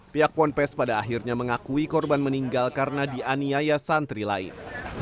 pihak ponpes pada akhirnya mengakui korban meninggal karena dianiaya santri lain